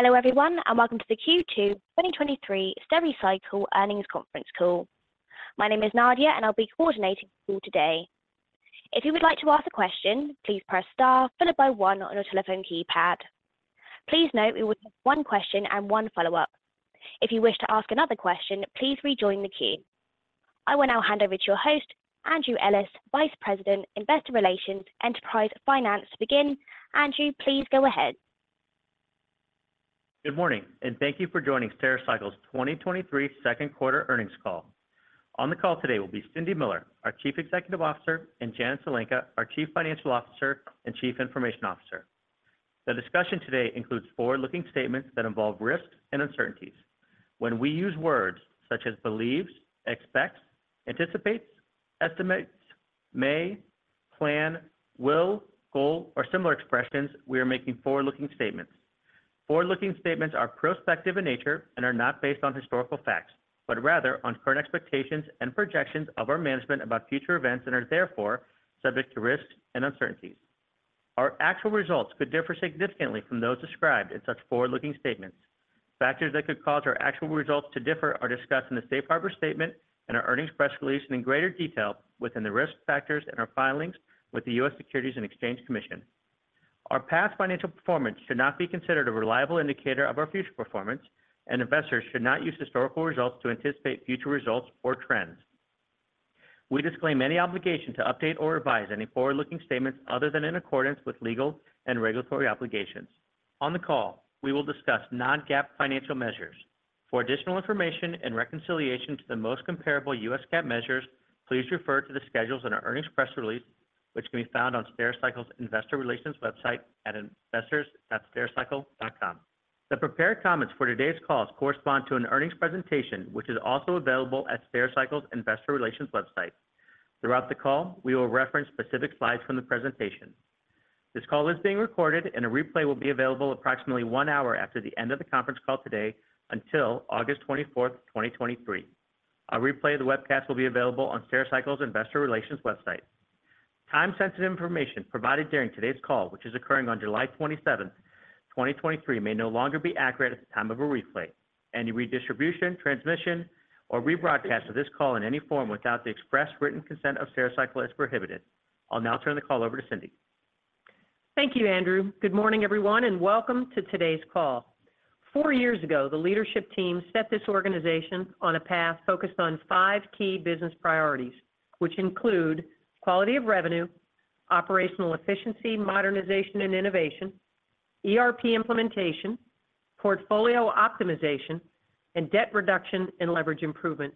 Hello, everyone, welcome to the Q2 2023 Stericycle earnings conference call. My name is Nadia, I'll be coordinating the call today. If you would like to ask a question, please press star followed by one on your telephone keypad. Please note we will take one question and one follow-up. If you wish to ask another question, please rejoin the queue. I will now hand over to your host, Andrew Ellis, Vice President, Investor Relations, Enterprise Finance, to begin. Andrew, please go ahead. Good morning, and thank you for joining Stericycle's 2023 second quarter earnings call. On the call today will be Cindy Miller, our Chief Executive Officer, and Janet Zelenka, our Chief Financial Officer and Chief Information Officer. The discussion today includes forward-looking statements that involve risks and uncertainties. When we use words such as believes, expects, anticipates, estimates, may, plan, will, goal, or similar expressions, we are making forward-looking statements. Forward-looking statements are prospective in nature and are not based on historical facts, but rather on current expectations and projections of our management about future events and are therefore subject to risks and uncertainties. Our actual results could differ significantly from those described in such forward-looking statements. Factors that could cause our actual results to differ are discussed in the safe harbor statement and our earnings press release and in greater detail within the risk factors in our filings with the U.S. Securities and Exchange Commission. Our past financial performance should not be considered a reliable indicator of our future performance, and investors should not use historical results to anticipate future results or trends. We disclaim any obligation to update or revise any forward-looking statements other than in accordance with legal and regulatory obligations. On the call, we will discuss non-GAAP financial measures. For additional information and reconciliation to the most comparable U.S. GAAP measures, please refer to the schedules in our earnings press release, which can be found on Stericycle's Investor Relations website at investors.stericycle.com. The prepared comments for today's call correspond to an earnings presentation, which is also available at Stericycle's Investor Relations website. Throughout the call, we will reference specific slides from the presentation. This call is being recorded, and a replay will be available approximately one hour after the end of the conference call today until August 24th, 2023. A replay of the webcast will be available on Stericycle's Investor Relations website. Time-sensitive information provided during today's call, which is occurring on July 27th, 2023, may no longer be accurate at the time of a replay. Any redistribution, transmission, or rebroadcast of this call in any form without the express written consent of Stericycle is prohibited. I'll now turn the call over to Cindy. Thank you, Andrew. Good morning, everyone, and welcome to today's call. Four years ago, the leadership team set this organization on a path focused on five key business priorities, which include quality of revenue, operational efficiency, modernization and innovation, ERP implementation, portfolio optimization, and debt reduction and leverage improvement.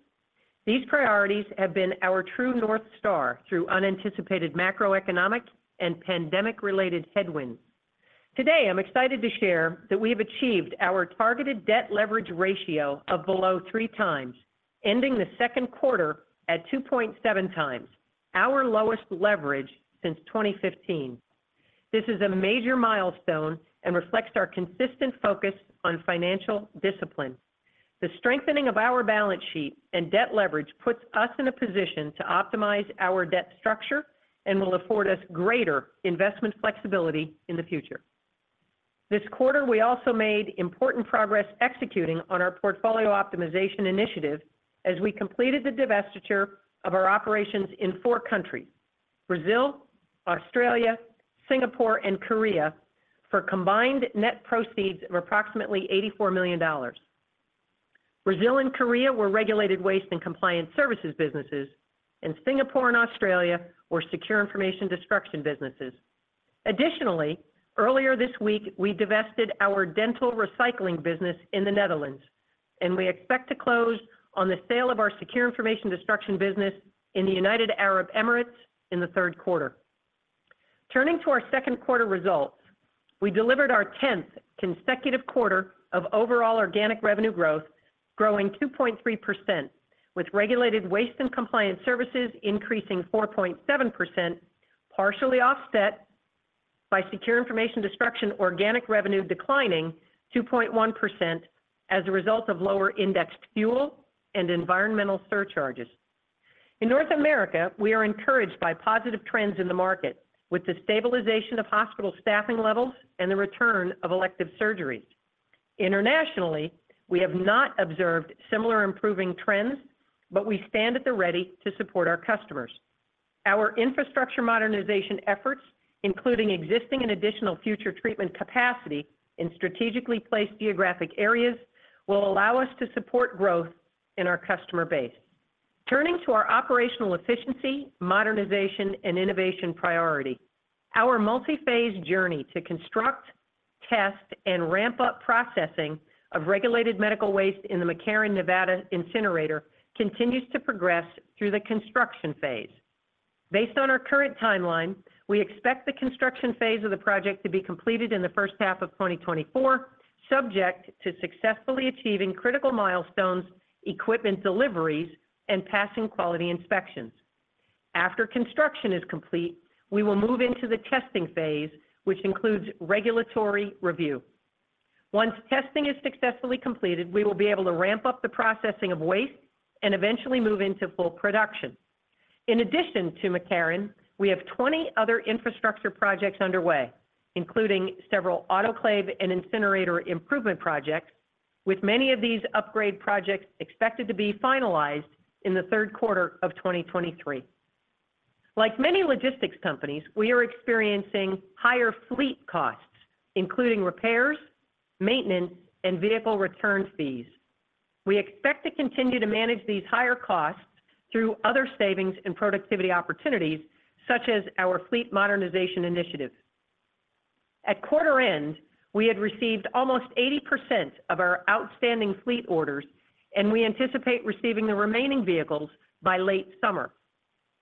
These priorities have been our true North Star through unanticipated macroeconomic and pandemic-related headwinds. Today, I'm excited to share that we have achieved our targeted debt leverage ratio of below 3x, ending the second quarter at 2.7x, our lowest leverage since 2015. This is a major milestone and reflects our consistent focus on financial discipline. The strengthening of our balance sheet and debt leverage puts us in a position to optimize our debt structure and will afford us greater investment flexibility in the future. This quarter, we also made important progress executing on our portfolio optimization initiative as we completed the divestiture of our operations in four countries: Brazil, Australia, Singapore, and Korea, for combined net proceeds of approximately $84 million. Brazil and Korea were Regulated Waste and Compliance Services businesses, and Singapore and Australia were Secure Information Destruction businesses. Additionally, earlier this week, we divested our dental recycling business in the Netherlands, and we expect to close on the sale of our Secure Information Destruction business in the United Arab Emirates in the third quarter. Turning to our second quarter results, we delivered our 10th consecutive quarter of overall organic revenue growth, growing 2.3%, with Regulated Waste and Compliance Services increasing 4.7%, partially offset by Secure Information Destruction, organic revenue declining 2.1% as a result of lower indexed fuel and environmental surcharges. In North America, we are encouraged by positive trends in the market with the stabilization of hospital staffing levels and the return of elective surgeries. Internationally, we have not observed similar improving trends, but we stand at the ready to support our customers. Our infrastructure modernization efforts, including existing and additional future treatment capacity in strategically placed geographic areas, will allow us to support growth in our customer base. Turning to our operational efficiency, modernization, and innovation priority, our multi-phase journey to construct, test, and ramp up processing of Regulated Medical Waste in the McCarran, Nevada incinerator continues to progress through the construction phase. Based on our current timeline, we expect the construction phase of the project to be completed in the first half of 2024, subject to successfully achieving critical milestones, equipment deliveries, and passing quality inspections. After construction is complete, we will move into the testing phase, which includes regulatory review. Once testing is successfully completed, we will be able to ramp up the processing of waste and eventually move into full production. In addition to McCarran, we have 20 other infrastructure projects underway, including several autoclave and incinerator improvement projects, with many of these upgrade projects expected to be finalized in the third quarter of 2023. Like many logistics companies, we are experiencing higher fleet costs, including repairs, maintenance, and vehicle return fees. We expect to continue to manage these higher costs through other savings and productivity opportunities, such as our fleet modernization initiative. At quarter end, we had received almost 80% of our outstanding fleet orders, and we anticipate receiving the remaining vehicles by late summer.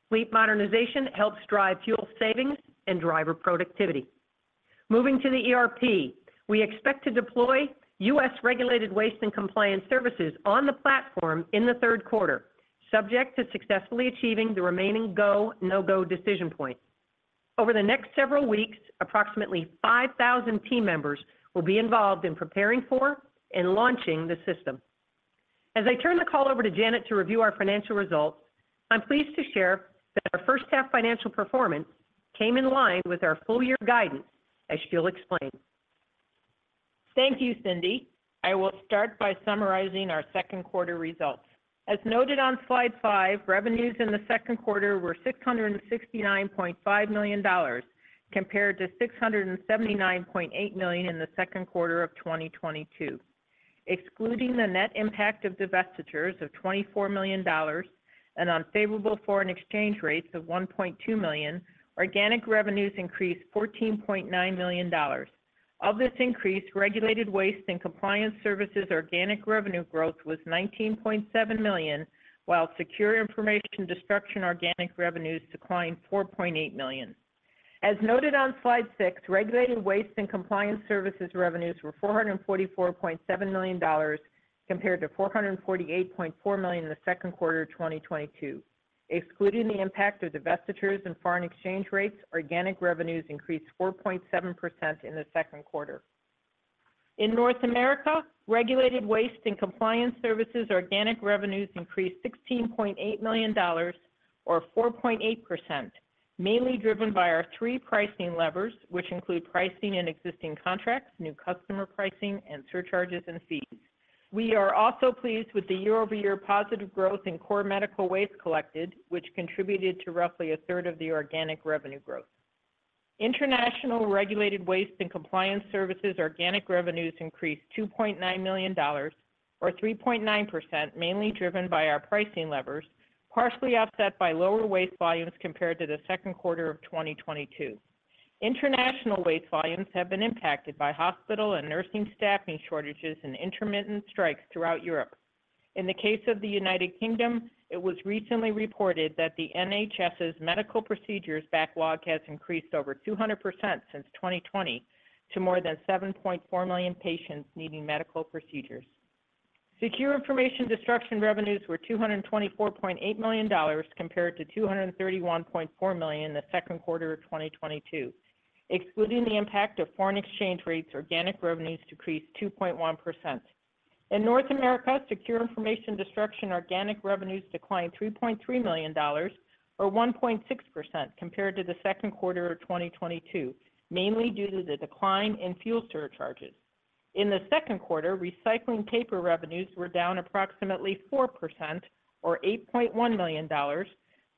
Fleet modernization helps drive fuel savings and driver productivity. Moving to the ERP, we expect to deploy U.S. Regulated Waste and Compliance Services on the platform in the third quarter, subject to successfully achieving the remaining go, no-go decision point. Over the next several weeks, approximately 5,000 team members will be involved in preparing for and launching the system. As I turn the call over to Janet to review our financial results, I'm pleased to share that our first half financial performance came in line with our full year guidance, as she'll explain. Thank you, Cindy. I will start by summarizing our second quarter results. As noted on slide five, revenues in the second quarter were $669.5 million, compared to $679.8 million in the second quarter of 2022. Excluding the net impact of divestitures of $24 million and unfavorable foreign exchange rates of $1.2 million, organic revenues increased $14.9 million. Of this increase, Regulated Waste and Compliance Services organic revenue growth was $19.7 million, while Secure Information Destruction organic revenues declined $4.8 million. As noted on slide six, Regulated Waste and Compliance Services revenues were $444.7 million, compared to $448.4 million in the second quarter of 2022. Excluding the impact of divestitures and foreign exchange rates, organic revenues increased 4.7% in the second quarter. In North America, Regulated Waste and Compliance Services organic revenues increased $16.8 million or 4.8%, mainly driven by our three pricing levers, which include pricing in existing contracts, new customer pricing, and surcharges and fees. We are also pleased with the year-over-year positive growth in core medical waste collected, which contributed to roughly a third of the organic revenue growth. International Regulated Waste and Compliance Services organic revenues increased $2.9 million or 3.9%, mainly driven by our pricing levers, partially offset by lower waste volumes compared to the second quarter of 2022. International waste volumes have been impacted by hospital and nursing staffing shortages and intermittent strikes throughout Europe. In the case of the United Kingdom, it was recently reported that the NHS's medical procedures backlog has increased over 200% since 2020 to more than 7.4 million patients needing medical procedures. Secure Information Destruction revenues were $224.8 million, compared to $231.4 million in the second quarter of 2022. Excluding the impact of foreign exchange rates, organic revenues decreased 2.1%. In North America, Secure Information Destruction organic revenues declined $3.3 million or 1.6% compared to the second quarter of 2022, mainly due to the decline in fuel surcharges. In the second quarter, recycling paper revenues were down approximately 4% or $8.1 million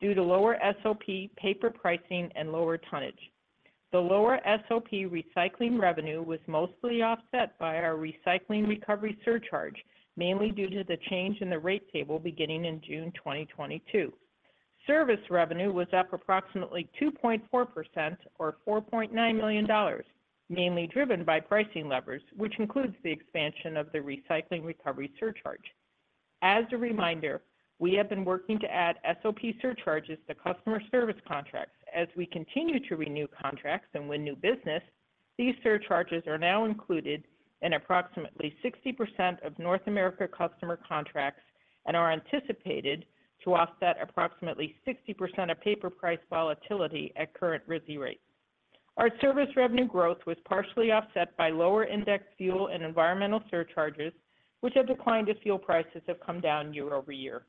due to lower SOP, paper pricing, and lower tonnage. The lower SOP recycling revenue was mostly offset by our Recycling Recovery Surcharge, mainly due to the change in the rate table beginning in June 2022. Service revenue was up approximately 2.4% or $4.9 million, mainly driven by pricing levers, which includes the expansion of the Recycling Recovery Surcharge. As a reminder, we have been working to add SOP surcharges to customer service contracts. As we continue to renew contracts and win new business, these surcharges are now included in approximately 60% of North America customer contracts and are anticipated to offset approximately 60% of paper price volatility at current RISI rates. Our service revenue growth was partially offset by lower indexed fuel and environmental surcharges, which have declined as fuel prices have come down year-over-year.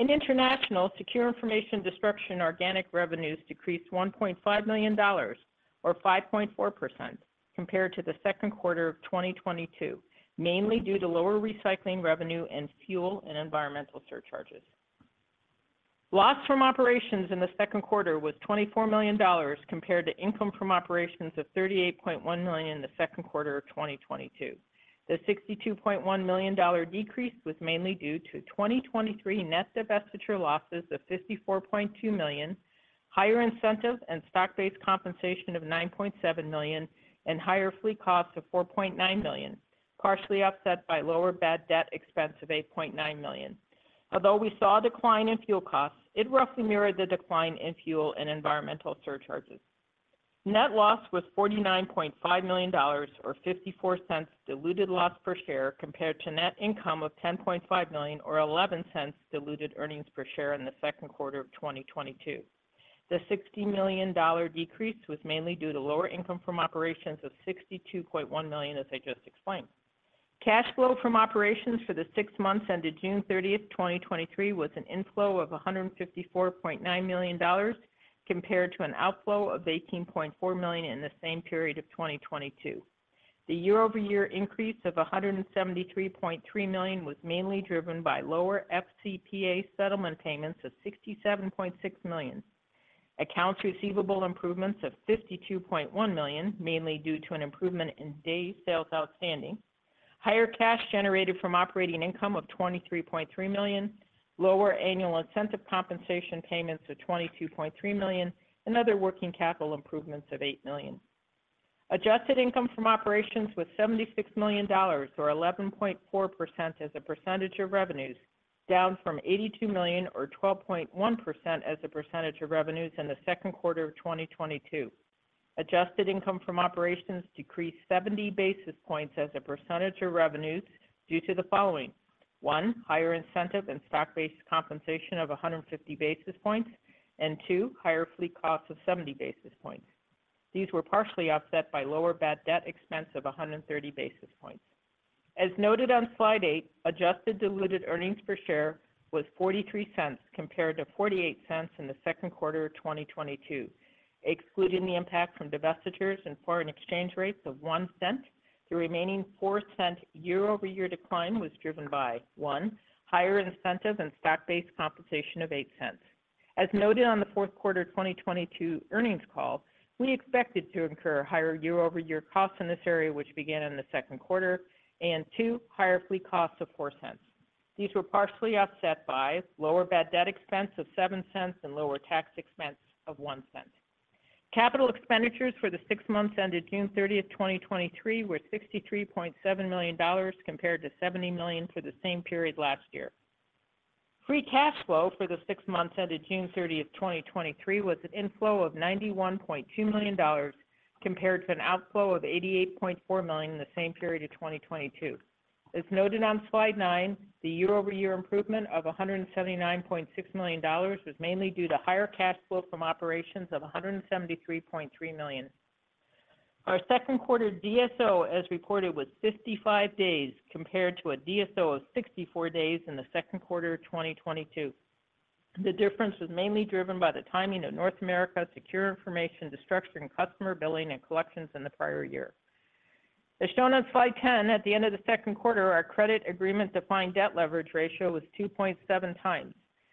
In international, Secure Information Destruction organic revenues decreased $1.5 million or 5.4% compared to the second quarter of 2022, mainly due to lower recycling revenue and fuel and environmental surcharges. Loss from operations in the second quarter was $24 million compared to income from operations of $38.1 million in the second quarter of 2022. The $62.1 million decrease was mainly due to 2023 net divestiture losses of $54.2 million, higher incentives and stock-based compensation of $9.7 million, and higher fleet costs of $4.9 million, partially offset by lower bad debt expense of $8.9 million. Although we saw a decline in fuel costs, it roughly mirrored the decline in fuel and environmental surcharges. Net loss was $49.5 million or $0.54 diluted loss per share, compared to net income of $10.5 million or $0.11 diluted earnings per share in the second quarter of 2022. The $60 million decrease was mainly due to lower income from operations of $62.1 million, as I just explained. Cash flow from operations for the six months ended June 30th, 2023, was an inflow of $154.9 million, compared to an outflow of $18.4 million in the same period of 2022. The year-over-year increase of $173.3 million was mainly driven by lower FCPA settlement payments of $67.6 million, accounts receivable improvements of $52.1 million, mainly due to an improvement in days sales outstanding, higher cash generated from operating income of $23.3 million, lower annual incentive compensation payments of $22.3 million, and other working capital improvements of $8 million. Adjusted income from operations was $76 million, or 11.4% as a percentage of revenues, down from $82 million or 12.1% as a percentage of revenues in the 2Q of 2022. Adjusted income from operations decreased 70 basis points as a percentage of revenues due to the following: one, higher incentive and stock-based compensation of 150 basis points, and two, higher fleet costs of 70 basis points. These were partially offset by lower bad debt expense of 130 basis points. As noted on slide eight, adjusted diluted earnings per share was $0.43 compared to $0.48 in the second quarter of 2022. Excluding the impact from divestitures and foreign exchange rates of $0.01, the remaining $0.04 year-over-year decline was driven by, one, higher incentive and stock-based compensation of $0.08. As noted on the fourth quarter of 2022 earnings call, we expected to incur higher year-over-year costs in this area, which began in the second quarter, and two, higher fleet costs of $0.04. These were partially offset by lower bad debt expense of $0.07 and lower tax expense of $0.01. Capital expenditures for the six months ended June 30th, 2023, were $63.7 million, compared to $70 million for the same period last year. Free cash flow for the six months ended June 30th, 2023, was an inflow of $91.2 million, compared to an outflow of $88.4 million in the same period of 2022. As noted on slide nine, the year-over-year improvement of $179.6 million was mainly due to higher cash flow from operations of $173.3 million. Our second quarter DSO, as reported, was 55 days, compared to a DSO of 64 days in the second quarter of 2022. The difference was mainly driven by the timing of North America, Secure Information Destruction, customer billing, and collections in the prior year. As shown on slide 10, at the end of the second quarter, our credit agreement defined debt leverage ratio was 2.7x.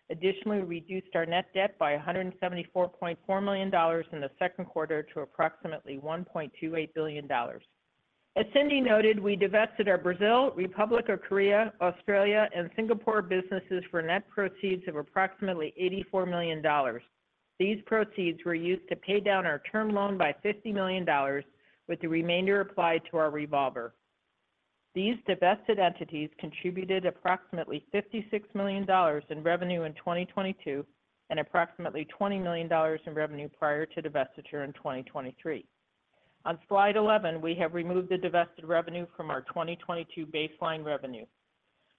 Additionally, we reduced our net debt by $174.4 million in the second quarter to approximately $1.28 billion. As Cindy noted, we divested our Brazil, Republic of Korea, Australia, and Singapore businesses for net proceeds of approximately $84 million. These proceeds were used to pay down our term loan by $50 million, with the remainder applied to our revolver. These divested entities contributed approximately $56 million in revenue in 2022, and approximately $20 million in revenue prior to divestiture in 2023. On slide 11, we have removed the divested revenue from our 2022 baseline revenue.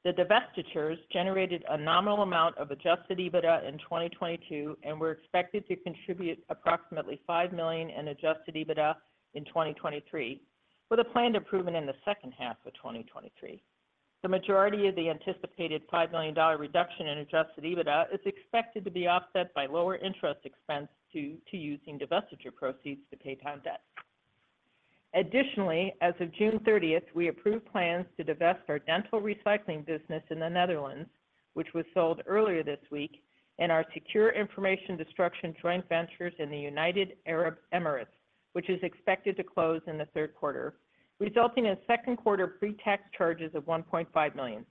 The divestitures generated a nominal amount of adjusted EBITDA in 2022 and were expected to contribute approximately $5 million in adjusted EBITDA in 2023, with a planned improvement in the second half of 2023. The majority of the anticipated $5 million reduction in adjusted EBITDA is expected to be offset by lower interest expense due to using divestiture proceeds to pay down debt. Additionally, as of June 30th, we approved plans to divest our dental recycling business in the Netherlands, which was sold earlier this week, and our Secure Information Destruction joint ventures in the United Arab Emirates, which is expected to close in the third quarter, resulting in second quarter pre-tax charges of $1.5 million.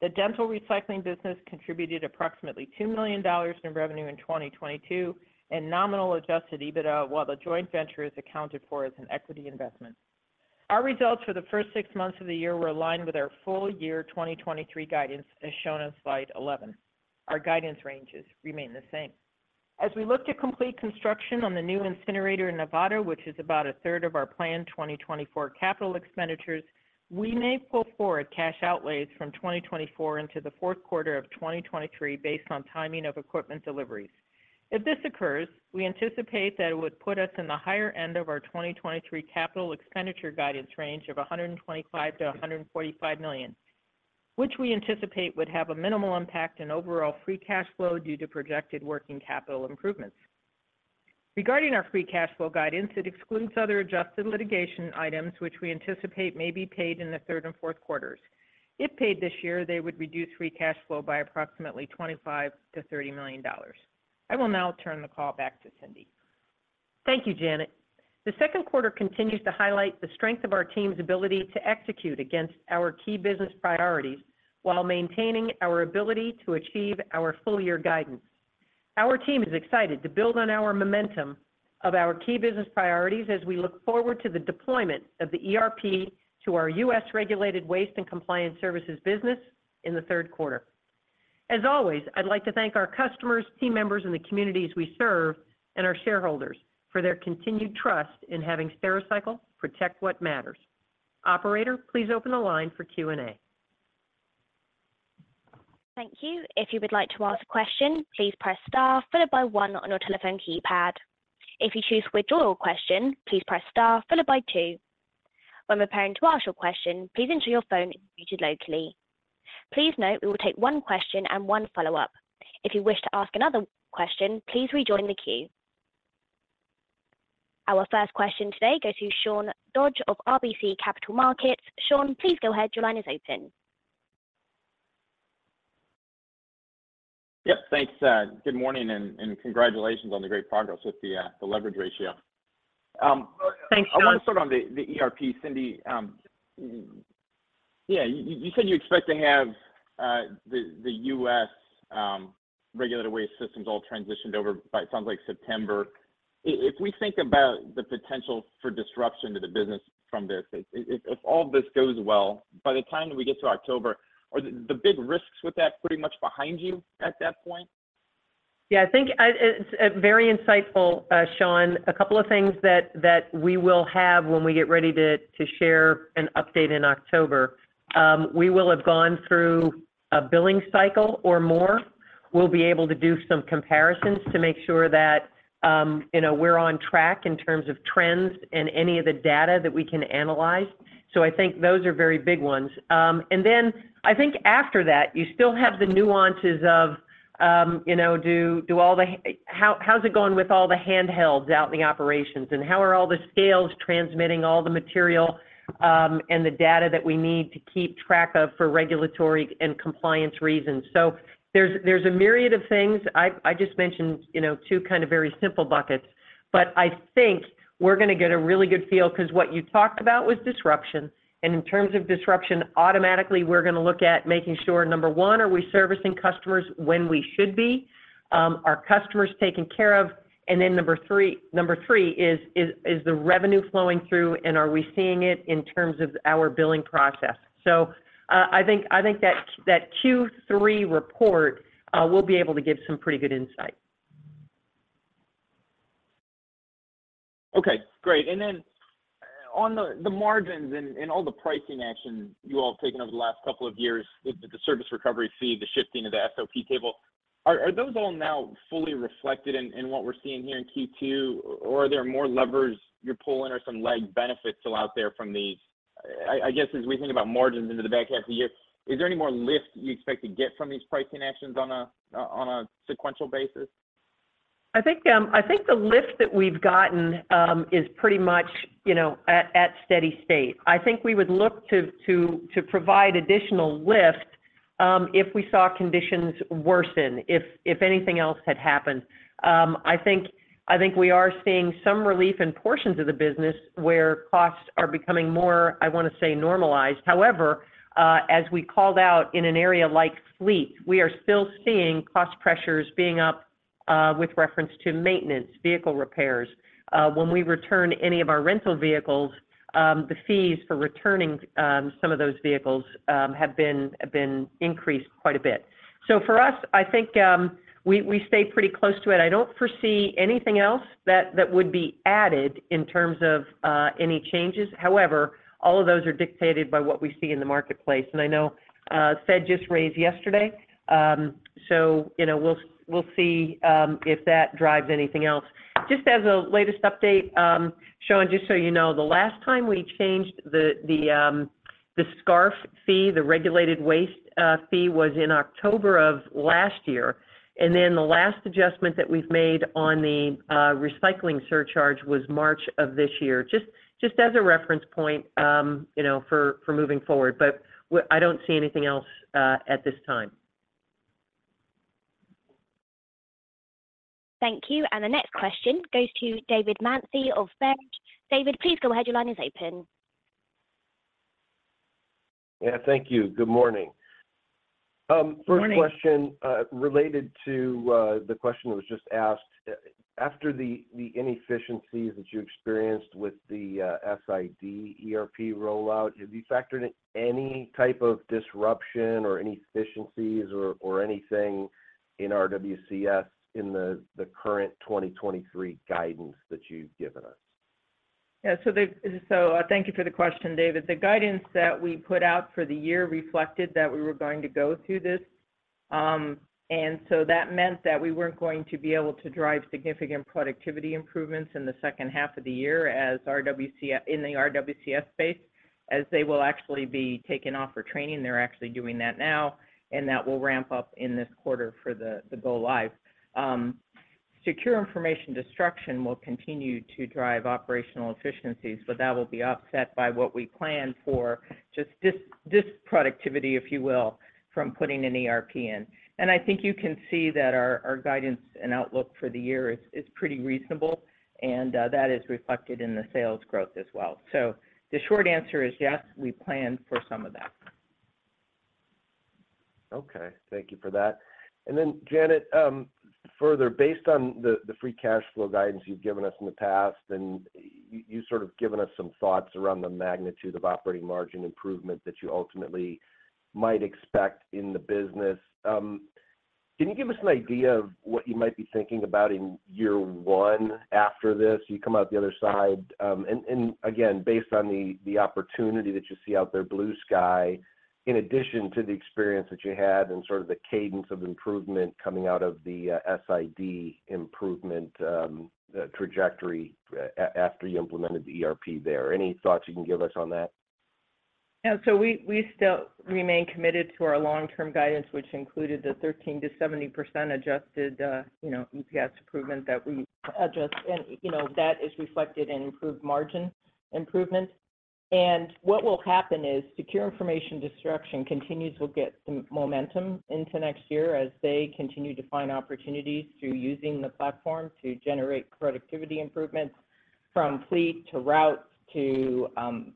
The dental recycling business contributed approximately $2 million in revenue in 2022 and nominal adjusted EBITDA, while the joint venture is accounted for as an equity investment. Our results for the first six months of the year were aligned with our full year 2023 guidance, as shown on slide 11. Our guidance ranges remain the same. As we look to complete construction on the new incinerator in Nevada, which is about a third of our planned 2024 capital expenditures, we may pull forward cash outlays from 2024 into the fourth quarter of 2023, based on timing of equipment deliveries. If this occurs, we anticipate that it would put us in the higher end of our 2023 CapEx guidance range of $125 million-$145 million, which we anticipate would have a minimal impact in overall free cash flow due to projected working capital improvements. Regarding our free cash flow guidance, it excludes other adjusted litigation items, which we anticipate may be paid in the third and fourth quarters. If paid this year, they would reduce free cash flow by approximately $25 million-$30 million. I will now turn the call back to Cindy. Thank you, Janet. The second quarter continues to highlight the strength of our team's ability to execute against our key business priorities while maintaining our ability to achieve our full-year guidance. Our team is excited to build on our momentum of our key business priorities as we look forward to the deployment of the ERP to our U.S. Regulated Waste and Compliance Services business in the third quarter. As always, I'd like to thank our customers, team members in the communities we serve, and our shareholders for their continued trust in having Stericycle protect what matters. Operator, please open the line for Q&A. Thank you. If you would like to ask a question, please press star one on your telephone keypad. If you choose to withdraw your question, please press star two. When preparing to ask your question, please ensure your phone is muted locally. Please note we will take one question and one follow-up. If you wish to ask another question, please rejoin the queue. Our first question today goes to Sean Dodge of RBC Capital Markets. Sean, please go ahead. Your line is open. Yep, thanks, good morning and congratulations on the great progress with the leverage ratio. Thanks, Sean. I want to start on the ERP, Cindy. You said you expect to have the U.S. regulatory waste systems all transitioned over by, it sounds like September. If we think about the potential for disruption to the business from this, if all this goes well, by the time we get to October, are the big risks with that pretty much behind you at that point? I think, it's very insightful, Sean. A couple of things that we will have when we get ready to share an update in October. We will have gone through a billing cycle or more. We'll be able to do some comparisons to make sure that, you know, we're on track in terms of trends and any of the data that we can analyze. I think those are very big ones. I think after that, you still have the nuances of, you know, how's it going with all the handhelds out in the operations? How are all the scales transmitting all the material and the data that we need to keep track of for regulatory and compliance reasons? There's a myriad of things. I just mentioned, you know, two kind of very simple buckets, but I think we're going to get a really good feel, 'cause what you talked about was disruption, and in terms of disruption, automatically, we're going to look at making sure, number one, are we servicing customers when we should be? Are customers taken care of? Then number three is the revenue flowing through, and are we seeing it in terms of our billing process? I think that Q3 report will be able to give some pretty good insight. Okay, great. Then on the margins and all the pricing action you all have taken over the last couple of years with the Service Recovery Fee, the shifting of the SOP table, are those all now fully reflected in what we're seeing here in Q2, or are there more levers you're pulling or some leg benefits still out there, I guess, as we think about margins into the back half of the year, is there any more lift you expect to get from these pricing actions on a, on a sequential basis? I think the lift that we've gotten, is pretty much, you know, at steady state. I think we would look to provide additional lift, if we saw conditions worsen, if anything else had happened. I think we are seeing some relief in portions of the business where costs are becoming more, I want to say, normalized. As we called out in an area like fleet, we are still seeing cost pressures being up, with reference to maintenance, vehicle repairs. When we return any of our rental vehicles, the fees for returning, some of those vehicles, have been increased quite a bit. For us, I think, we stay pretty close to it. I don't foresee anything else that would be added in terms of any changes. However, all of those are dictated by what we see in the marketplace, and I know Baird just raised yesterday, so you know, we'll see if that drives anything else. Just as a latest update, Sean, just so you know, the last time we changed the SCAQMD fee, the regulated waste fee, was in October of last year, and then the last adjustment that we've made on the Recycling Surcharge was March of this year. Just as a reference point, you know, for moving forward, but I don't see anything else at this time. Thank you, and the next question goes to David Manthey of Baird. David, please go ahead. Your line is open. Yeah, thank you. Good morning. Good morning. First question, related to the question that was just asked. After the inefficiencies that you experienced with the SID ERP rollout, have you factored in any type of disruption or inefficiencies or anything in RWCS in the current 2023 guidance that you've given us? Thank you for the question, David. The guidance that we put out for the year reflected that we were going to go through this, and so that meant that we weren't going to be able to drive significant productivity improvements in the second half of the year as in the RWCS space, as they will actually be taken off for training. They're actually doing that now, and that will ramp up in this quarter for the go-live. Secure Information Destruction will continue to drive operational efficiencies, but that will be offset by what we plan for just this productivity, if you will, from putting an ERP in. I think you can see that our guidance and outlook for the year is pretty reasonable, and that is reflected in the sales growth as well. The short answer is yes, we plan for some of that. Okay. Thank you for that. Then, Janet, further, based on the free cash flow guidance you've given us in the past, and you sort of given us some thoughts around the magnitude of operating margin improvement that you ultimately might expect in the business. Can you give us an idea of what you might be thinking about in year one after this? You come out the other side, and again, based on the opportunity that you see out there, blue sky, in addition to the experience that you had and sort of the cadence of improvement coming out of the SID improvement, the trajectory after you implemented the ERP there. Any thoughts you can give us on that? Yeah, we still remain committed to our long-term guidance, which included the 13%-70% adjusted, you know, EPS improvement that we addressed. You know, that is reflected in improved margin improvement. What will happen is, Secure Information Destruction continues to get some momentum into next year as they continue to find opportunities through using the platform to generate productivity improvements, from fleet to routes to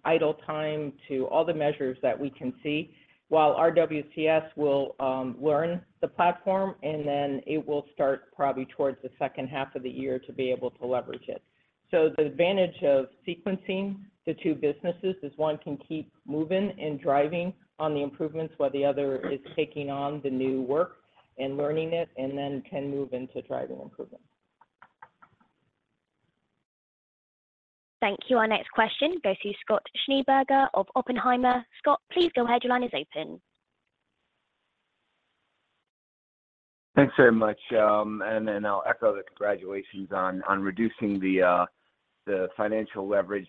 idle time, to all the measures that we can see, while RWCS will learn the platform, and then it will start probably towards the second half of the year to be able to leverage it. The advantage of sequencing the two businesses is one can keep moving and driving on the improvements while the other is taking on the new work and learning it and then can move into driving improvement. Thank you. Our next question goes to Scott Schneeberger of Oppenheimer. Scott, please go ahead. Your line is open. Thanks very much. I'll echo the congratulations on reducing the financial leverage.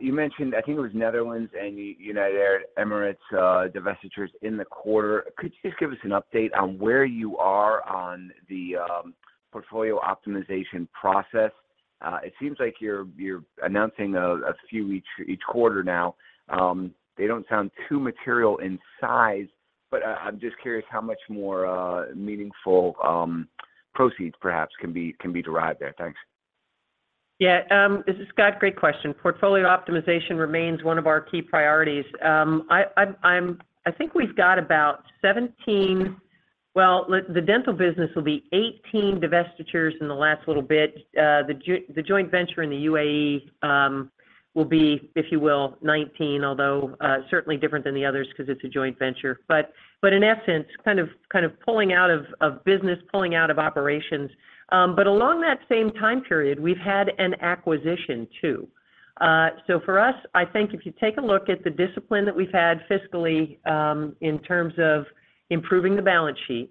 You mentioned, I think it was Netherlands and United Arab Emirates, divestitures in the quarter. Could you just give us an update on where you are on the portfolio optimization process? It seems like you're announcing a few each quarter now. They don't sound too material in size. I'm just curious how much more meaningful proceeds perhaps can be derived there. Thanks. Yeah, this is Scott. Great question. Portfolio optimization remains one of our key priorities. I think the dental business will be 18 divestitures in the last little bit. The joint venture in the UAE will be, if you will, 19, although certainly different than the others because it's a joint venture. But in essence, kind of pulling out of business, pulling out of operations. Along that same time period, we've had an acquisition, too. For us, I think if you take a look at the discipline that we've had fiscally, in terms of improving the balance sheet,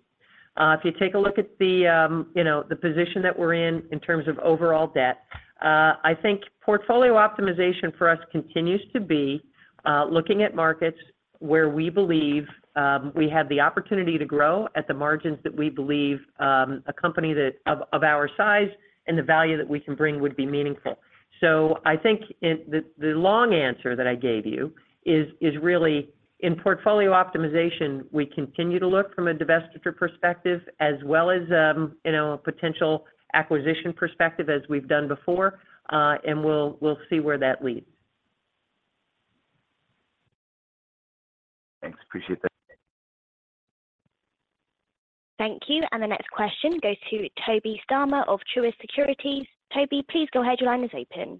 if you take a look at the, you know, the position that we're in in terms of overall debt, I think portfolio optimization for us continues to be looking at markets where we believe, we have the opportunity to grow at the margins that we believe, a company that, of our size and the value that we can bring would be meaningful. I think in the long answer that I gave you is really in portfolio optimization, we continue to look from a divestiture perspective as well as, you know, a potential acquisition perspective as we've done before, and we'll see where that leads. Thanks, appreciate that. Thank you. The next question goes to Tobey Sommer of Truist Securities. Toby, please go ahead. Your line is open.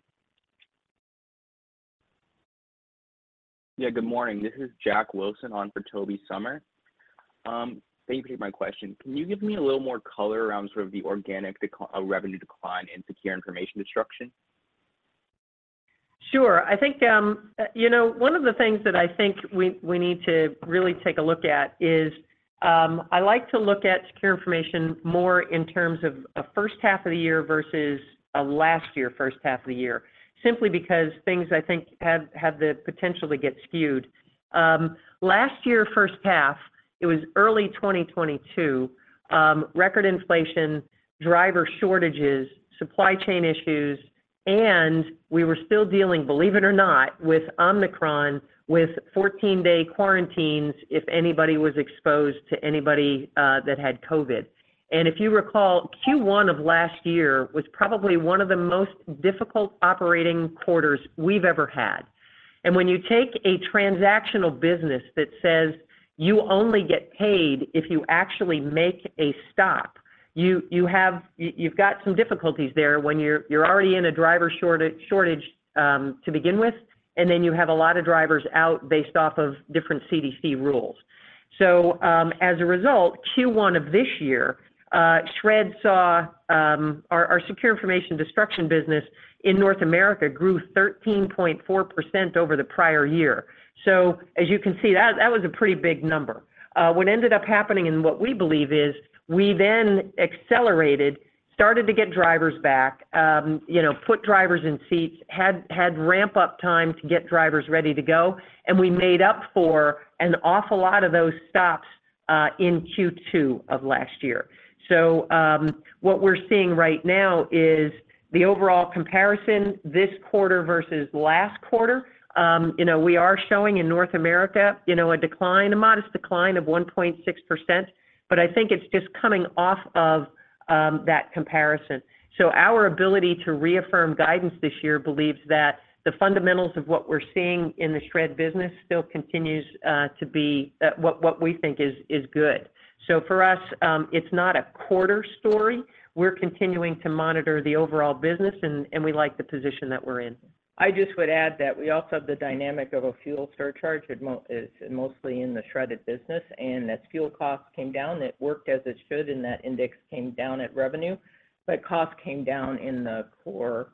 Yeah, good morning. This is Jack Wilson on for Tobey Sommer. Thank you for taking my question. Can you give me a little more color around sort of the organic revenue decline in Secure Information Destruction? Sure. I think, you know, one of the things that I think we, we need to really take a look at is, I like to look at secure information more in terms of a first half of the year versus a last year, first half of the year, simply because things, I think, have the potential to get skewed. Last year, first half, it was early 2022, record inflation, driver shortages, supply chain issues, we were still dealing, believe it or not, with Omicron, with 14-day quarantines if anybody was exposed to anybody that had COVID. If you recall, Q1 of last year was probably one of the most difficult operating quarters we've ever had. When you take a transactional business that says you only get paid if you actually make a stop, you have, you've got some difficulties there when you're, you're already in a driver shortage, to begin with, and then you have a lot of drivers out based off of different CDC rules. As a result, Q1 of this year, Shred saw, our Secure Information Destruction business in North America grew 13.4% over the prior year. As you can see, that was a pretty big number. What ended up happening and what we believe is, we then accelerated, started to get drivers back, you know, put drivers in seats, had ramp-up time to get drivers ready to go, and we made up for an awful lot of those stops in Q2 of last year. What we're seeing right now is the overall comparison this quarter versus last quarter, you know, we are showing in North America, you know, a decline, a modest decline of 1.6%, but I think it's just coming off of that comparison. Our ability to reaffirm guidance this year believes that the fundamentals of what we're seeing in the shred business still continues to be, at what we think is good. For us, it's not a quarter story. We're continuing to monitor the overall business and we like the position that we're in. I just would add that we also have the dynamic of a fuel surcharge that is mostly in the Shred-it business. As fuel costs came down, it worked as it should, and that index came down at revenue. Costs came down in the core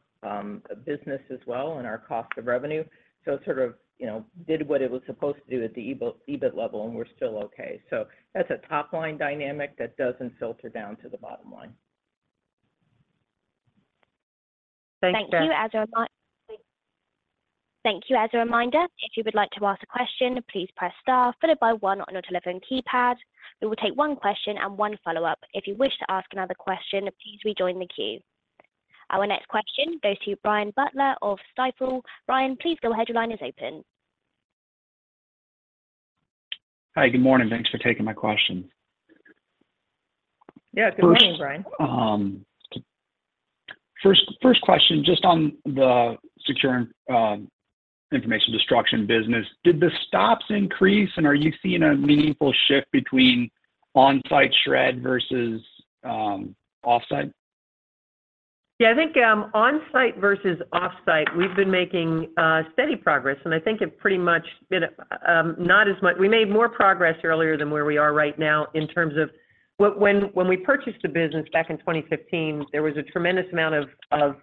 business as well, and our cost of revenue. It sort of, you know, did what it was supposed to do at the EBIT level, and we're still okay. That's a top-line dynamic that doesn't filter down to the bottom line. Thanks, Jack. Thank you. As a reminder, if you would like to ask a question, please press star, followed by one on your telephone keypad. We will take one question and one follow-up. If you wish to ask another question, please rejoin the queue. Our next question goes to Brian Butler of Stifel. Brian, please go ahead. Your line is open. Hi, good morning. Thanks for taking my question. Yeah, good morning, Brian. First question, just on the Secure Information Destruction business. Did the stops increase, and are you seeing a meaningful shift between on-site shred versus off-site? Yeah, I think on-site versus off-site, we've been making steady progress. I think it pretty much been. We made more progress earlier than where we are right now in terms of. When we purchased the business back in 2015, there was a tremendous amount of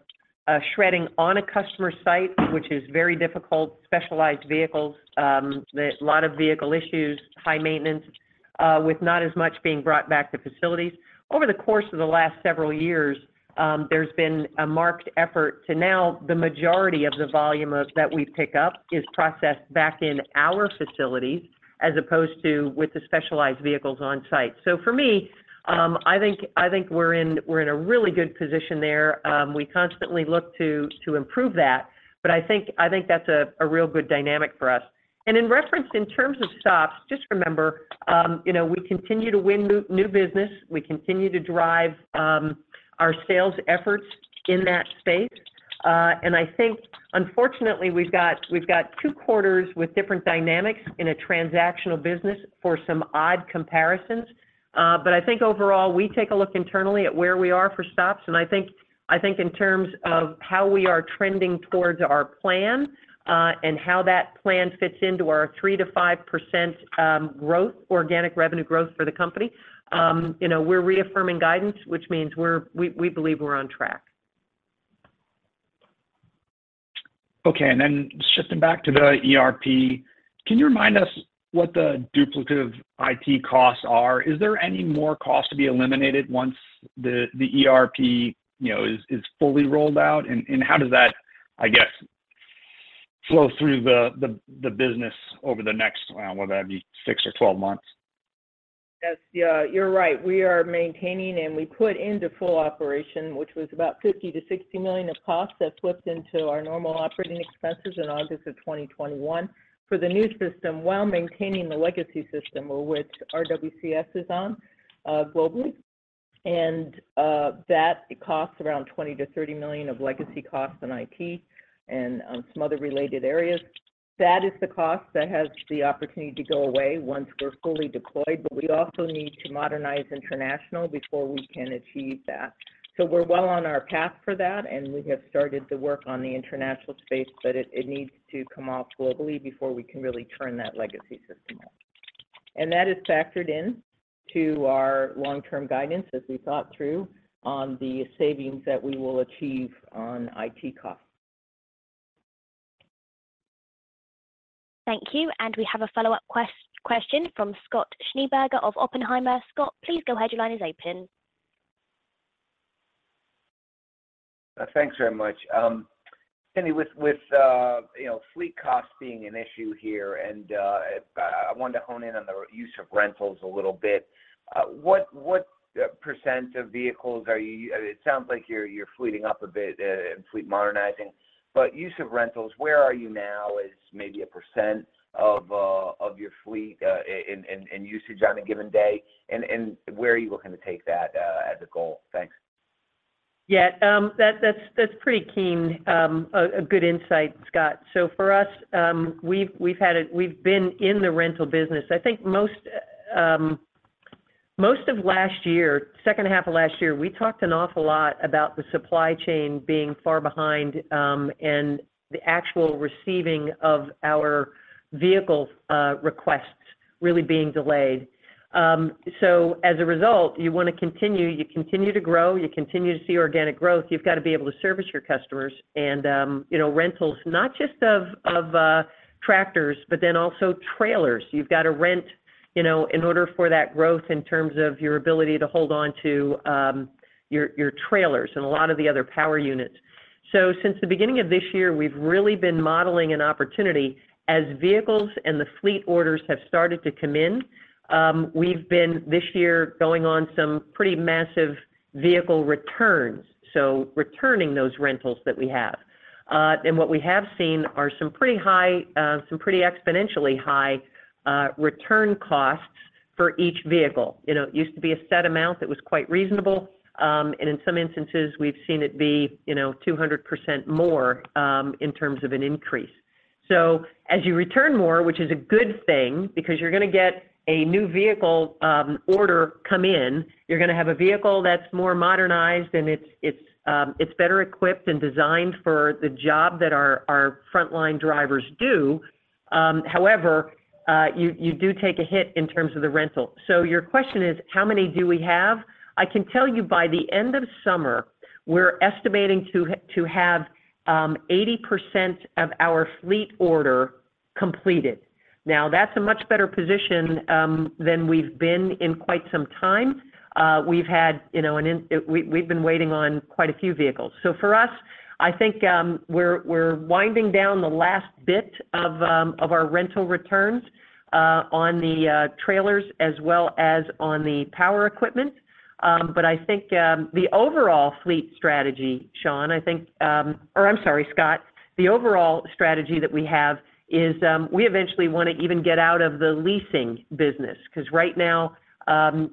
shredding on a customer site, which is very difficult, specialized vehicles, that a lot of vehicle issues, high maintenance, with not as much being brought back to facilities. Over the course of the last several years, there's been a marked effort to now the majority of the volume of that we pick up is processed back in our facility as opposed to with the specialized vehicles on site. For me, I think we're in a really good position there. We constantly look to improve that, but I think that's a real good dynamic for us. In reference, in terms of stops, just remember, you know, we continue to win new business. We continue to drive our sales efforts in that space. I think, unfortunately, we've got two quarters with different dynamics in a transactional business for some odd comparisons. I think overall, we take a look internally at where we are for stops, in terms of how we are trending towards our plan, how that plan fits into our 3%-5% growth, organic revenue growth for the company, you know, we're reaffirming guidance, which means we believe we're on track. Okay, then shifting back to the ERP, can you remind us what the duplicative IT costs are? Is there any more cost to be eliminated once the ERP, you know, is fully rolled out? How does that, I guess, flow through the business over the next, well, whether that be six or 12 months? Yes, yeah, you're right. We are maintaining, and we put into full operation, which was about $50 million-$60 million of costs that flipped into our normal operating expenses in August of 2021. For the new system, while maintaining the legacy system, which RWCS is on, globally, and that it costs around $20 million-$30 million of legacy costs in IT and some other related areas. That is the cost that has the opportunity to go away once we're fully deployed, but we also need to modernize international before we can achieve that. We're well on our path for that, and we have started the work on the international space, but it, it needs to come off globally before we can really turn that legacy system off. That is factored in to our long-term guidance as we thought through on the savings that we will achieve on IT costs. Thank you. We have a follow-up question from Scott Schneeberger of Oppenheimer. Scott, please go ahead. Your line is open. Thanks very much. Cindy, with, with, you know, fleet costs being an issue here, and, I wanted to hone in on the use of rentals a little bit. What percent of vehicles? It sounds like you're fleeting up a bit, and fleet modernizing, but use of rentals, where are you now as maybe a percent of your fleet, in usage on a given day? Where are you looking to take that, as a goal? Thanks. Yeah, that's pretty keen, a good insight, Scott. For us, we've been in the rental business. I think most, most of last year, second half of last year, we talked an awful lot about the supply chain being far behind, and the actual receiving of our vehicle requests really being delayed. As a result, you want to continue, you continue to grow, you continue to see organic growth, you've got to be able to service your customers, and, you know, rentals, not just of tractors, but then also trailers. You've got to rent, you know, in order for that growth in terms of your ability to hold on to your trailers and a lot of the other power units. Since the beginning of this year, we've really been modeling an opportunity. As vehicles and the fleet orders have started to come in, we've been, this year, going on some pretty massive vehicle returns, so returning those rentals that we have. What we have seen are some pretty high, some pretty exponentially high, return costs for each vehicle. You know, it used to be a set amount that was quite reasonable, and in some instances, we've seen it be, you know, 200% more, in terms of an increase. As you return more, which is a good thing because you're gonna get a new vehicle, order come in, you're gonna have a vehicle that's more modernized, and it's better equipped and designed for the job that our, our frontline drivers do. However, you do take a hit in terms of the rental. Your question is, how many do we have? I can tell you by the end of summer, we're estimating to have 80% of our fleet order completed. That's a much better position than we've been in quite some time. We've been waiting on quite a few vehicles. For us, I think, we're winding down the last bit of our rental returns on the trailers as well as on the power equipment. I think the overall fleet strategy, Sean, I think, or I'm sorry, Scott, the overall strategy that we have is, we eventually want to even get out of the leasing business. 'Cause right now,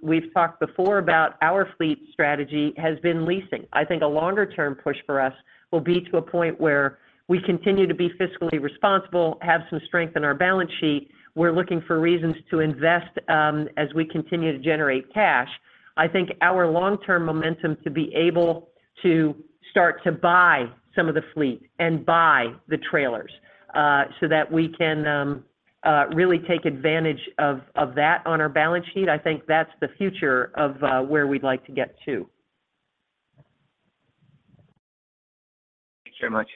we've talked before about our fleet strategy has been leasing. I think a longer-term push for us will be to a point where we continue to be fiscally responsible, have some strength in our balance sheet. We're looking for reasons to invest, as we continue to generate cash. I think our long-term momentum to be able to start to buy some of the fleet and buy the trailers, so that we can really take advantage of that on our balance sheet. I think that's the future of where we'd like to get to. Thank you very much.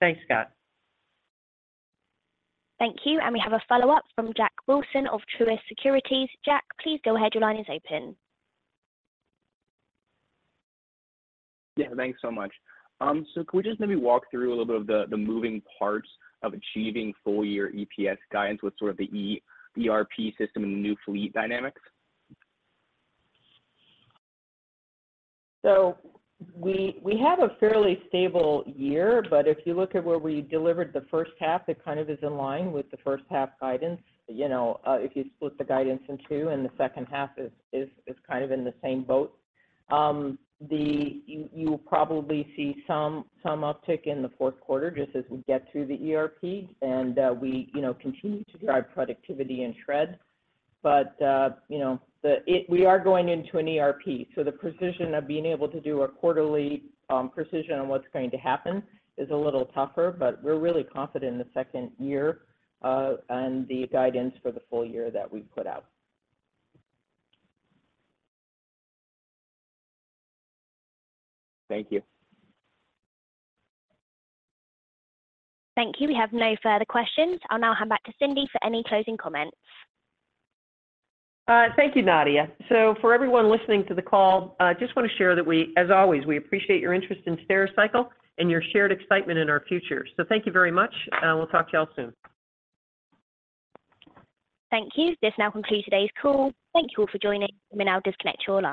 Thanks, Scott. Thank you. We have a follow-up from Jack Wilson of Truist Securities. Jack, please go ahead. Your line is open. Thanks so much. Could we just maybe walk through a little bit of the, the moving parts of achieving full-year EPS guidance with sort of the ERP system and new fleet dynamics? We have a fairly stable year, but if you look at where we delivered the first half, it kind of is in line with the first half guidance. You know, if you split the guidance in two, and the second half is kind of in the same boat. You will probably see some uptick in the fourth quarter just as we get through the ERP, and we, you know, continue to drive productivity in Shred-it. You know, we are going into an ERP, so the precision of being able to do a quarterly, precision on what's going to happen is a little tougher, but we're really confident in the second year, and the guidance for the full year that we've put out. Thank you. Thank you. We have no further questions. I'll now hand back to Cindy for any closing comments. Thank you, Nadia. For everyone listening to the call, I just want to share that we, as always, we appreciate your interest in Stericycle and your shared excitement in our future. Thank you very much, and we'll talk to you all soon. Thank you. This now concludes today's call. Thank you all for joining. You may now disconnect your lines.